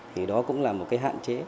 thì đó cũng là một cái hạn chế